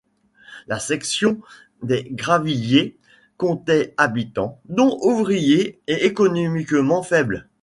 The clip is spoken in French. La section des Gravilliers comptait habitants, dont ouvriers et économiquement faibles.